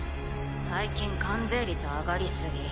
最近関税率上がり過ぎ。